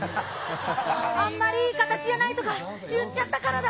あんまりいい形じゃないとか言っちゃったからだ。